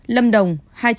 lâm đồng hai trăm ba mươi